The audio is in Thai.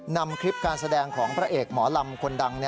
นำคลิปการแสดงของพระเอกหมอลำคนดัง